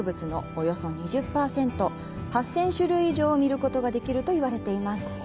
およそ２０％、８０００種以上を見ることができるといわれています。